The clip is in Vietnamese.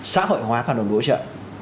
xã hội hóa phản ứng hỗ trợ